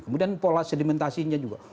kemudian pola sedimentasinya juga